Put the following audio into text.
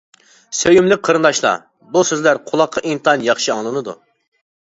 سۆيۈملۈك قېرىنداشلار، بۇ سۆزلەر قۇلاققا ئىنتايىن ياخشى ئاڭلىنىدۇ.